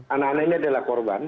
anak anak ini adalah korban